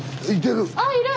ああいる！